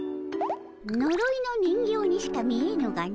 のろいの人形にしか見えぬがの。